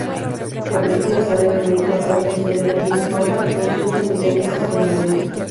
La película está levemente basada en la historia de Jimmy Hoffa, reconocido sindicalista estadounidense.